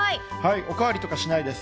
おかわりとかしないです。